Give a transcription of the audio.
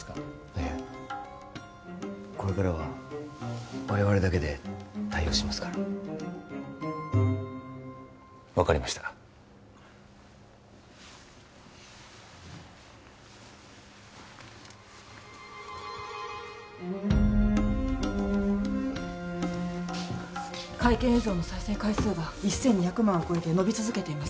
いえこれからは我々だけで対応しますから分かりました会見映像の再生回数が１２００万を超えて伸び続けています